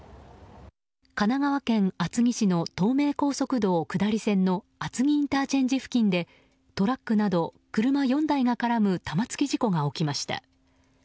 神奈川県厚木市の東名高速道路下り線の厚木ＩＣ付近でトラックなど、車４台が絡む玉突き事故が起きました。